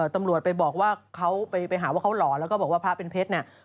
ตำรวจไปบอกว่าเขาไปหาว่าเขาหล่อแล้วก็บอกว่าพระเป็นเพชรเนี่ย